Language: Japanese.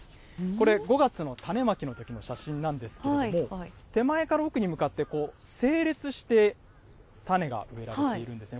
これ、５月の種まきのときの写真なんですけれども、手前から奥に向かって、整列して種が植えられているんですね。